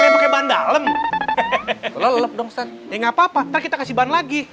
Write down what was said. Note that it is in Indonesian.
lalem lalem dong setengah papa kita kasih ban lagi